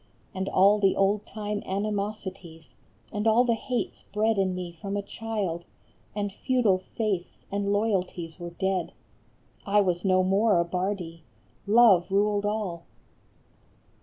And all the old time animosities, And all the hates bred in me from a child, And feudal faiths and loyalties were dead, I was no more a Bardi ; Love ruled all.